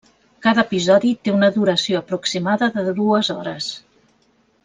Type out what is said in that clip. Cada episodi té una duració aproximada de dues hores.